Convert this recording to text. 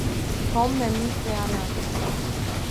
Tom memnûn xuya nake.